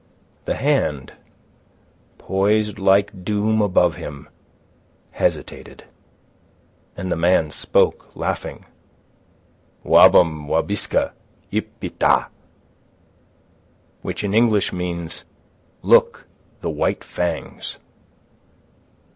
The hand, poised like doom above him, hesitated, and the man spoke laughing, "Wabam wabisca ip pit tah." ("Look! The white fangs!")